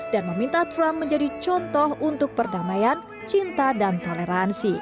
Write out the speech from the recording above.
dan meminta trump menjadi contoh untuk perdamaian cinta dan toleransi